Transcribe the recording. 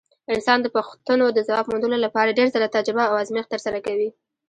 انسان د پوښتنو د ځواب موندلو لپاره ډېر ځله تجربه او ازمېښت ترسره کوي.